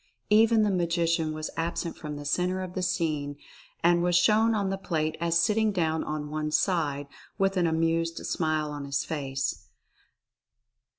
Even the Magician was absent from the center of the scene and was shown on the plate as sitting down on one side, with an amused smile on his face.